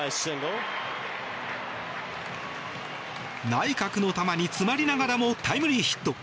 内角の球に詰まりながらもタイムリーヒット。